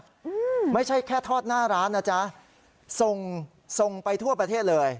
อืมไม่ใช่แค่ทอดหน้าร้านนะจ๊ะส่งส่งไปทั่วประเทศเลย